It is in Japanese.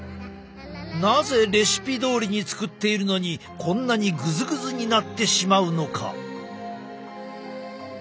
なぜレシピどおりに作っているのにこんなにぐずぐずになってしまうのか？